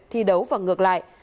thi đấu và ngược lại